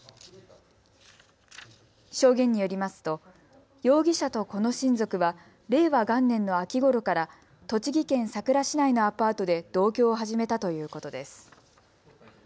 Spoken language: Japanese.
証言によりますと容疑者とこの親族は令和元年の秋ごろから栃木県さくら市内のアパートで同居を始めたということです。